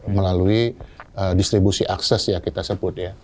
melalui distribusi akses ya kita sebut ya